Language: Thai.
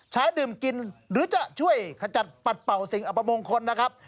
ดื่มกินหรือจะช่วยขจัดปัดเป่าสิ่งอัปมงคลนะครับ